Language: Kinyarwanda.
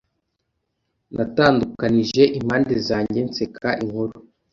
Natandukanije impande zanjye nseka inkuru